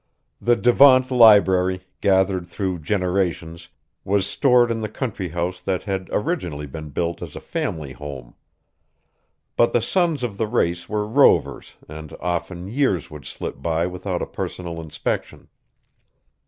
The Devant library, gathered through generations, was stored in the country house that had originally been built as a family home. But the sons of the race were rovers and often years would slip by without a personal inspection.